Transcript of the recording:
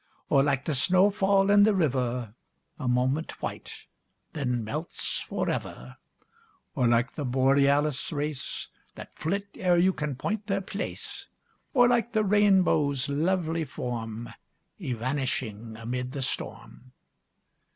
Or like the snowfall in the river, A moment white then melts for ever; Or like the Borealis race, That flit ere you can point their place; Or like the rainbow's lovely form Evanishing amid the storm.